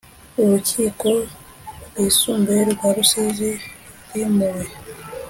Urukiko Rwisumbuye rwa Rusizi rwimuwe